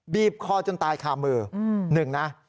บีบคอจนตายคามือหนึ่งนะ